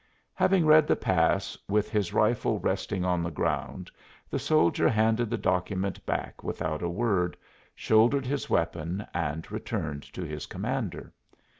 Having read the pass, with his rifle resting on the ground, the soldier handed the document back without a word, shouldered his weapon, and returned to his commander.